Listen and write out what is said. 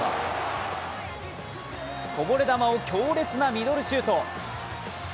こぼれ球を強烈なミドルシュート。